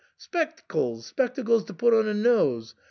Spect'cles ! Spect'cles to put 'n nose